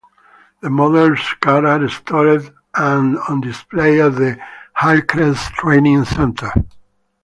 The model cars are stored and on display at the Hillcrest Training Centre.